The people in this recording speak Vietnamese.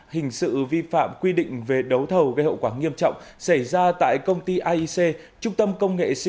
hình sự vi phạm quy định về đấu thầu gây hậu quả nghiêm trọng xảy ra tại công ty iec